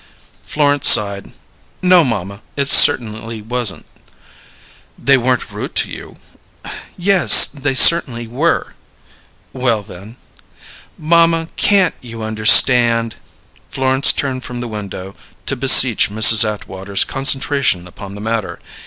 Florence sighed. "No, mamma, it cert'nly wasn't." "They weren't rude to you?" "Yes, they cert'nly were!" "Well, then " "Mamma, can't you understand?" Florence turned from the window to beseech Mrs. Atwater's concentration upon the matter.